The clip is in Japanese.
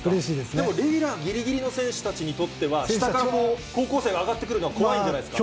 でもレギュラーぎりぎりの選手たちにとっては、下から高校生が上がってくるのは怖いんじゃないですか。